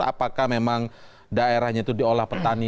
apakah memang daerahnya itu diberikan ke tempat lainnya ya